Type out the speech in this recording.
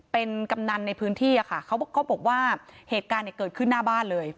เป็นกำนันในพื้นที่ค่ะเขาก็บอกว่าเหตุการณ์เนี่ยเกิดขึ้นหน้าบ้านเลย